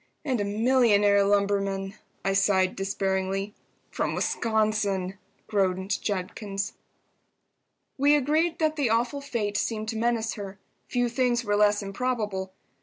"And a millionaire lumberman!" I sighed, despairingly. "From Wisconsin!" groaned Judkins. We agreed that the awful fate seemed to menace her. Few things were less improbable.